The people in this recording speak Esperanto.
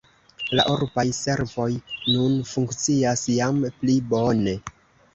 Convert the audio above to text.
La urbaj servoj nun funkcias jam pli bone.